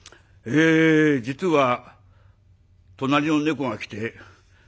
『え実は隣の猫が来て』。